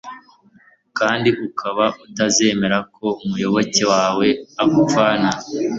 kandi ukaba utazemera ko umuyoboke wawe agupfana